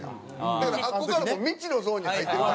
だからあそこから未知のゾーンに入って。